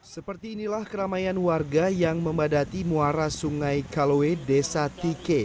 seperti inilah keramaian warga yang memadati muara sungai kalowe desa tike